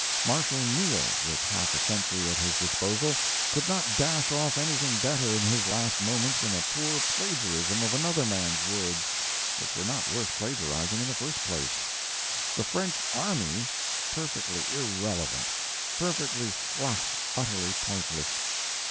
Marshal Neil, with half a century at his disposal, could not dash off anything better in his last moments than a poor plagiarism of another man's words, which were not worth plagiarizing in the first place. "The French army." Perfectly irrelevant perfectly flat utterly pointless.